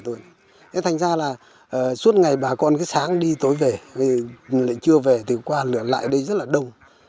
thật ra là suốt ngày bà con cái sáng đi tối về lại chưa về thì qua lượt lại ở đây rất là đông